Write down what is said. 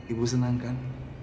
ibu senang kan